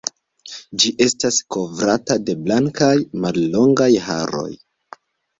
Ĝi estas kovrata de blankaj, mallongaj haroj.